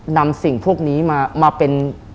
นำสิ่งพวกนี้มาเป็น